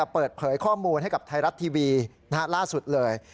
เปิดเผยข้อมูลให้กับไทยรัฐทีวีล่าสุดเลย